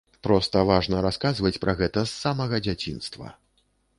Проста важна расказваць пра гэта з самага дзяцінства.